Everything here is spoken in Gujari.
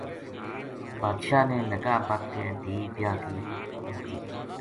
بادشاہ نے نکاح بدھ کے دھی بیاہ کی دِتی